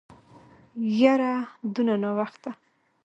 يره دونه ناوخته.